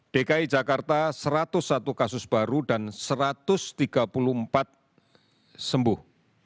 dki jakarta satu ratus satu kasus baru dan satu ratus tiga puluh empat sembuh